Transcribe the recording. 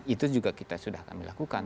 itu juga kita sudah akan dilakukan